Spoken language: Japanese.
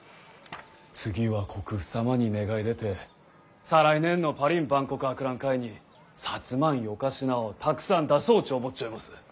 次は国父様に願い出て再来年のパリん万国博覧会に摩んよか品をたくさん出そうち思っちょいもす。